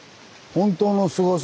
本当のすごさ。